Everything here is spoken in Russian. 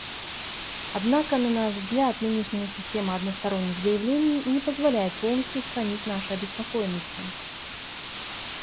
Однако, на наш взгляд, нынешняя система односторонних заявлений не позволяет полностью устранить наши обеспокоенности.